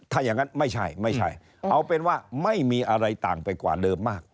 ถ้าอย่างนั้นไม่ใช่ไม่ใช่เอาเป็นว่าไม่มีอะไรต่างไปกว่าเดิมมาก